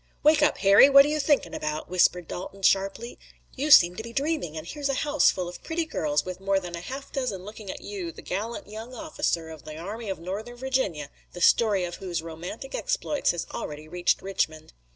"Wake up, Harry! What are you thinking about?" whispered Dalton sharply. "You seem to be dreaming, and here's a house full of pretty girls, with more than a half dozen looking at you, the gallant young officer of the Army of Northern Virginia, the story of whose romantic exploits had already reached Richmond."